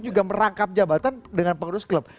juga merangkap jabatan dengan pengurus klub